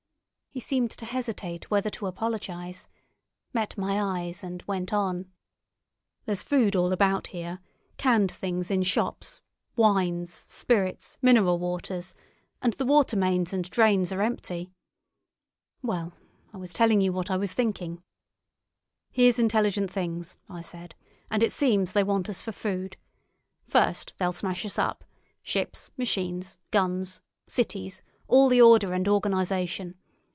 He seemed to hesitate whether to apologise, met my eyes, and went on: "There's food all about here. Canned things in shops; wines, spirits, mineral waters; and the water mains and drains are empty. Well, I was telling you what I was thinking. 'Here's intelligent things,' I said, 'and it seems they want us for food. First, they'll smash us up—ships, machines, guns, cities, all the order and organisation.